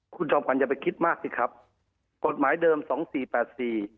คุณจอมขวัญอย่าไปคิดมากสิครับกฎหมายเดิมสองสี่แปดสี่